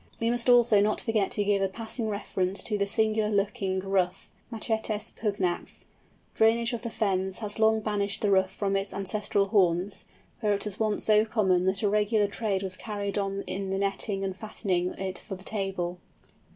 We must also not forget to give a passing reference to the singular looking Ruff (Machetes pugnax). Drainage of the fens has long banished the Ruff from its ancestral haunts, where it was once so common that a regular trade was carried on in netting and fattening it for the table.